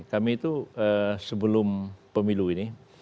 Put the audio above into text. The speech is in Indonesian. kami itu sebelum pemilu ini